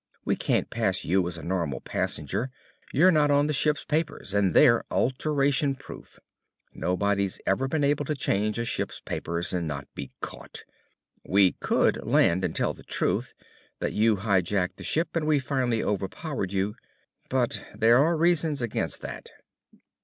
We can't pass you as a normal passenger. You're not on the ship's papers and they're alteration proof. Nobody's ever been able to change a ship's papers and not be caught! We could land and tell the truth, that you hijacked the ship and we finally overpowered you. But there are reasons against that."